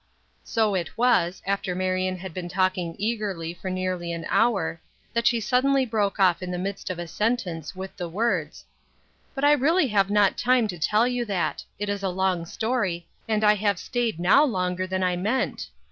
So it was, after Marion had been talking eagerly for nearly an hour, that she suddenly broke off in the midst of a sentence, with the words :" But I really have not time to tell you that ; it is a long story, and I have stayed now longer than I meant.